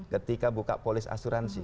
ketika buka polis asuransi